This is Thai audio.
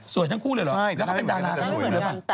สวยทั้งคู่เลยหรอ